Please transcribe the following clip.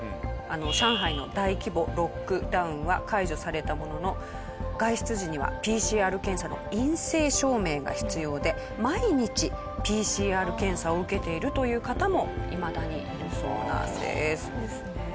上海の大規模ロックダウンは解除されたものの外出時にはＰＣＲ検査の陰性証明が必要で毎日ＰＣＲ検査を受けているという方もいまだにいるそうなんです。